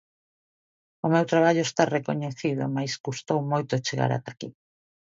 O meu traballo está recoñecido mais custou moito chegar até aquí.